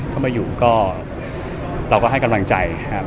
เข้ามาอยู่ก็เราก็ให้กำลังใจครับ